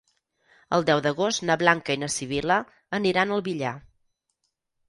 El deu d'agost na Blanca i na Sibil·la aniran al Villar.